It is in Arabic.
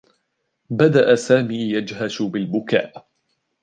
بدأ سامي يجهش بالبكاء.